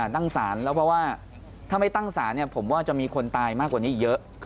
ถ้าไม่ตั้งศาลผมว่าจะมีคนตายมากกว่านี้เยอะ